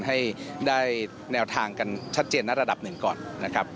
ให้ได้แนวทางกันชัดเจนในระดับหนึ่งก่อนนะครับ